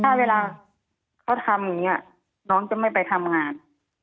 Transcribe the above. ถ้าเวลาเขาทำอย่างนี้น้องจะไม่ไปทำงาน